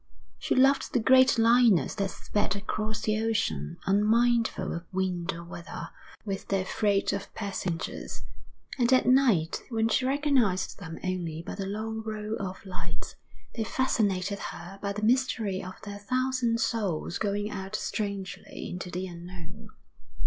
She loved the great liners that sped across the ocean, unmindful of wind or weather, with their freight of passengers; and at night, when she recognised them only by the long row of lights, they fascinated her by the mystery of their thousand souls going out strangely into the unknown.